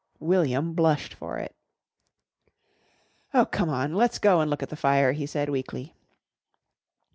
William blushed for it. "Oh, come on, let's go and look at the fire," he said weakly.